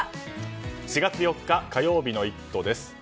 ４月４日火曜日の「イット！」です。